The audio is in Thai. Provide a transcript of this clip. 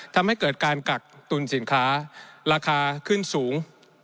ทำให้เกิดการกักตุลสินค้าราคาขึ้นสูง